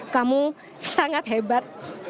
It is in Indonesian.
kamu sangat hebat